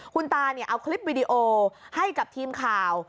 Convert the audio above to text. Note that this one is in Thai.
คุณตาเอาคลิปวิดีโอให้กับทีมข่าว